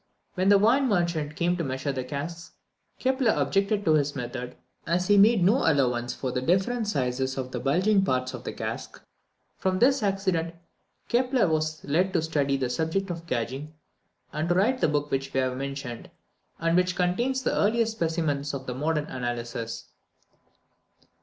When the wine merchant came to measure the casks, Kepler objected to his method, as he made no allowance for the different sizes of the bulging parts of the cask. From this accident, Kepler was led to study the subject of gauging, and to write the book which we have mentioned, and which contains the earliest specimens of the modern analysis.